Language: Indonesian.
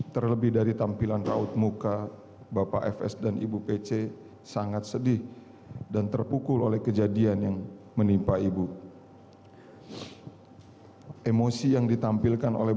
pertanyaan yang saya ingin mengatakan adalah